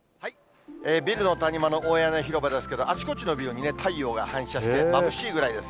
ビルの谷間の大屋根広場ですけれども、あちこちのビルに太陽が反射して、まぶしいぐらいです